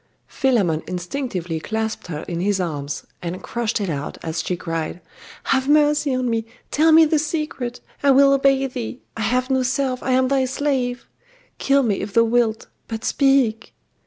Philammon instinctively clasped her in his arms, and crushed it out, as she cried 'Have mercy on me! Tell me the secret! I will obey thee! I have no self I am thy slave! Kill me, if thou wilt: but speak!